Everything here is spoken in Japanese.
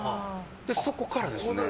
そこからですね。